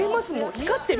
光ってる。